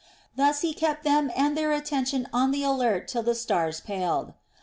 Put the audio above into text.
Thus he kept them and their attention on the alert till the stars paled.